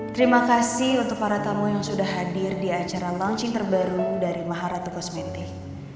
terima kasih untuk para tamu yang sudah hadir di acara launching terbaru dari maharatu kosmetik